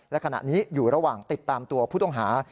และขณะนี้อยู่ระหว่างติดตามตัวผู้ต้องหา